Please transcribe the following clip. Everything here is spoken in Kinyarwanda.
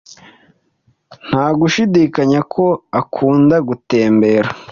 Nta gushidikanya ko akunda gutembera.